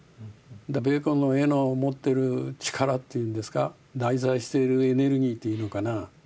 ベーコンの絵の持ってる力っていうんですか内在しているエネルギーというのかな